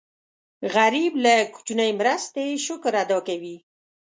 غریب له کوچنۍ مرستې شکر ادا کوي